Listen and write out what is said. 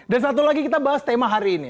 satu lagi kita bahas tema hari ini